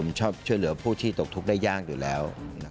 ผมชอบช่วยเหลือผู้ที่ตกทุกข์ได้ยากอยู่แล้ว